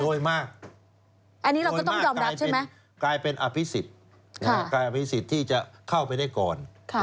โดยมากโดยมากกลายเป็นอภิษฐ์ที่จะเข้าไปได้ก่อน